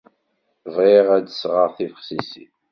Bɣiɣ ad d-sɣeɣ tibexsisin.